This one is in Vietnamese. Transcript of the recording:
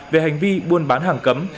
về hành vi buôn bán hàm cấm